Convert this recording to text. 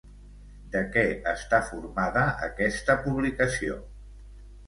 De què està formada aquesta publicació?